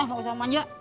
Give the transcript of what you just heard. gak usah manja